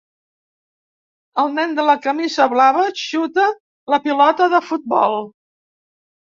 El nen de la camisa blava xuta la pilota de futbol.